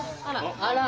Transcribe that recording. あら？